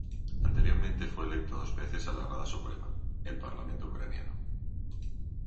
Anteriormente fue electo dos veces a la Rada Suprema, el parlamento ucraniano.